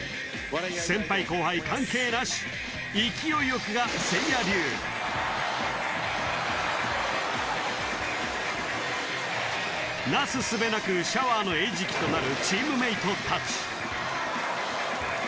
先輩後輩関係なし勢いよくが誠也流なすすべなくシャワーの餌食となるチームメートたち